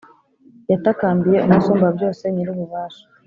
Yatakambiye Umusumbabyose Nyir’ububasha,